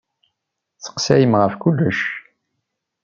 Tesseqsayem ɣef kullec.